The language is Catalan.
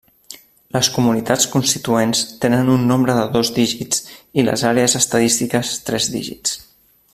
Les comunitats constituents tenen un nombre de dos dígits i les àrees estadístiques tres dígits.